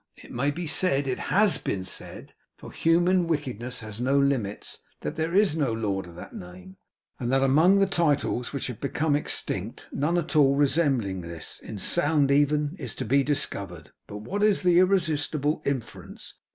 It may be said it HAS been said, for human wickedness has no limits that there is no Lord of that name, and that among the titles which have become extinct, none at all resembling this, in sound even, is to be discovered. But what is the irresistible inference?